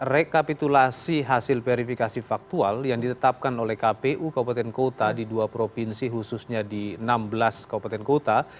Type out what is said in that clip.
rekapitulasi hasil verifikasi faktual yang ditetapkan oleh kpu kabupaten kota di dua provinsi khususnya di enam belas kabupaten kota